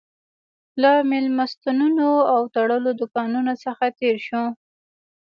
له مېلمستونونو او تړلو دوکانونو څخه تېر شوو.